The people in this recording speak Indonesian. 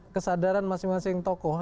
kesadaran masing masing tokoh